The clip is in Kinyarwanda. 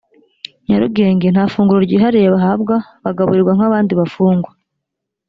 nyarugenge nta funguro ryihariye bahabwa bagaburirwa nk abandi bafungwa